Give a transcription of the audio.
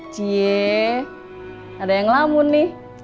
cie ada yang lamun nih